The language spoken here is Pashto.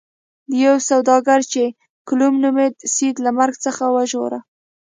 یو سوداګر چې کلوم نومیده سید له مرګ څخه وژغوره.